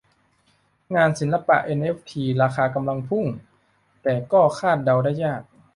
งานศิลปะเอ็นเอฟทีราคากำลังพุ่ง แต่ก็คาดเดาได้ยาก